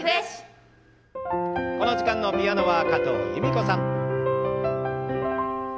この時間のピアノは加藤由美子さん。